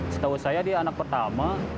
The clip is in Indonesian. setahu saya dia anak pertama